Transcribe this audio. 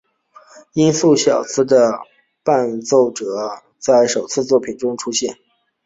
音速小子的夥伴艾美及劲敌金属索尼克并于本作中首次出现。